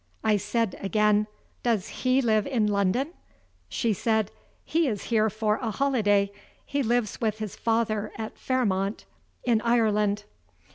I said again: "Does he live in London?" She said: "He is here for a holiday; he lives with his father at Fairmount, in Ireland."